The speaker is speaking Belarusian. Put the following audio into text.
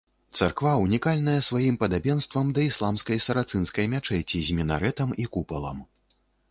Царква ўнікальная сваім падабенствам да ісламскай сарацынскай мячэці з мінарэтам і купалам.